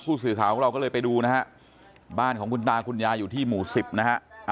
สื่อข่าวของเราก็เลยไปดูนะฮะบ้านของคุณตาคุณยายอยู่ที่หมู่สิบนะฮะ